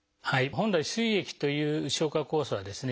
本来すい液という消化酵素はですね